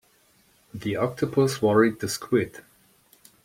The octopus worried the squid.